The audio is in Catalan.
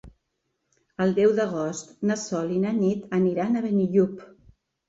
El deu d'agost na Sol i na Nit aniran a Benillup.